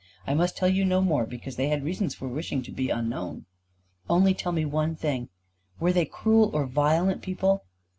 I must tell you no more, because they had reasons for wishing to be unknown." "Only tell me one thing. Were they cruel or violent people?"